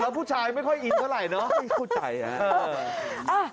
แล้วผู้ชายไม่ค่อยอินเท่าไหร่เนอะไม่เข้าใจฮะ